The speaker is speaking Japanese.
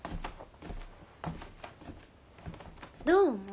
どう思う？